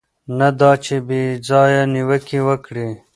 نه دا چې بې ځایه نیوکې وکړي.